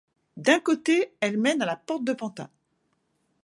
D'un côté, elle mène à la porte de Pantin.